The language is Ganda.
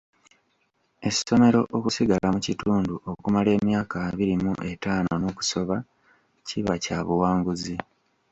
Essomero okusigala mu kitundu okumala emyaka abiri mu etaano n'okusoba, kiba kya buwanguzi.